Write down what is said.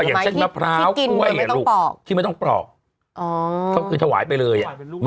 อย่างเช่นมะพร้าวกล้วยลูกที่ไม่ต้องปลอกก็คือถวายไปเลย